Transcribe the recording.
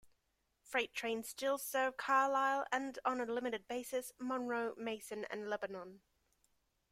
Freight trains still serve Carlisle, and on a limited basis, Monroe, Mason, and Lebanon.